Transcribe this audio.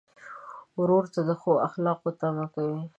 ورور ته د ښو اخلاقو تمه کوې.